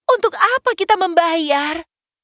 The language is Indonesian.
untuk apa kita membayar